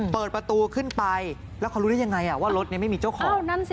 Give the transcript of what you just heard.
เปิดประตูขึ้นไปแล้วเขารู้ได้ยังไงว่ารถนี้ไม่มีเจ้าของ